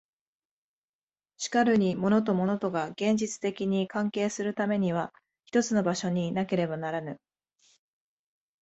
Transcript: しかるに物と物とが現実的に関係するためには一つの場所になければならぬ。